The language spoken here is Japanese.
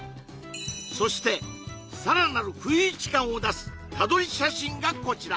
そしてさらなる不意打ち感を出す他撮り写真がこちら！